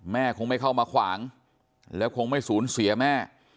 แม่คงไม่เข้ามาขวางและคงไม่ศูนย์เสียแม่